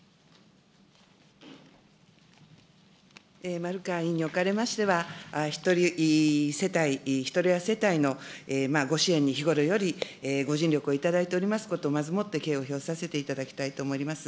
丸川委員におかれましては、ひとり世帯、ひとり親世帯のご支援に日頃よりご尽力をいただいておりますこと、まずもって敬意を表させていただきたいと思います。